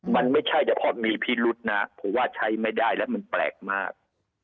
มันไม่ใช่เฉพาะมีพิรุษนะผมว่าใช้ไม่ได้แล้วมันแปลกมาก